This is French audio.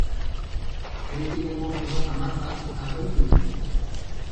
Elle est également présente à Mafate, à La Réunion.